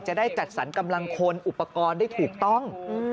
จะได้จัดสรรกำลังคนอุปกรณ์ได้ถูกต้อง